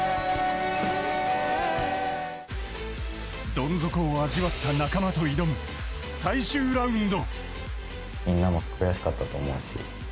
どん底を味わった仲間と挑む最終ラウンド。